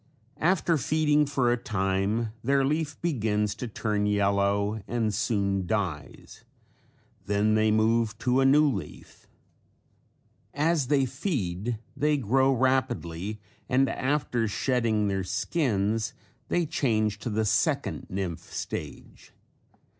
After feeding for a time their leaf begins to turn yellow and soon dies. Then they move to a new leaf. As they feed they grow rapidly and after shedding their skins they change to the second nymph stage.